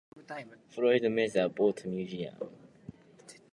Foynes Flying Boat Museum.